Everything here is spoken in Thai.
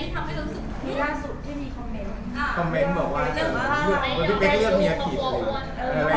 คอมเม้นต์บอกว่า